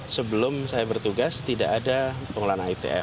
sebelum saya bertugas tidak ada pengelolaan itf